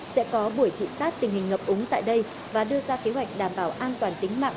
sẽ có buổi thị sát tình hình ngập úng tại đây và đưa ra kế hoạch đảm bảo an toàn tính mạng